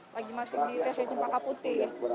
lagi masih di tc cempaka putih